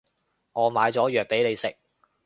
我買咗藥畀你食